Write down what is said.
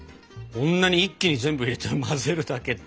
こんなに一気に全部入れて混ぜるだけって。